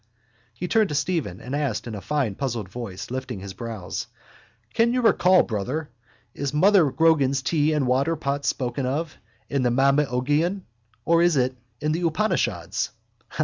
He turned to Stephen and asked in a fine puzzled voice, lifting his brows: —Can you recall, brother, is mother Grogan's tea and water pot spoken of in the Mabinogion or is it in the Upanishads?